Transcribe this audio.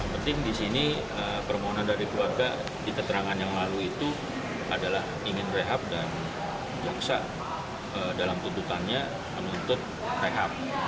penting di sini permohonan dari keluarga di keterangan yang lalu itu adalah ingin rehab dan jaksa dalam tuntutannya menuntut rehab